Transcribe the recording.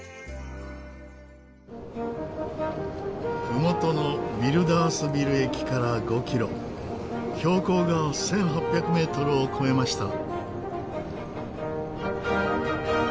ふもとのヴィルダースヴィル駅から５キロ標高が１８００メートルを超えました。